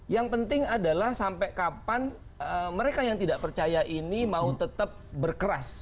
yang penting adalah sampai kapan mereka yang tidak percaya ini mau tetap berkeras